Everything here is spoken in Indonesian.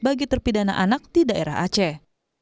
bagi terpidana anak di daerah aceh